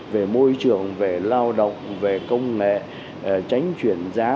về môi trường về lao động về công nghệ tránh chuyển giá